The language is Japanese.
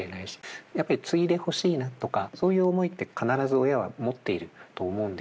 やっぱり継いでほしいなとかそういう思いって必ず親は持っていると思うんですよね。